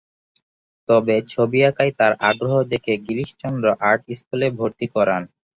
তবে ছবি আঁকায় তার আগ্রহ দেখে গিরিশচন্দ্র আর্ট স্কুলে ভরতি করান।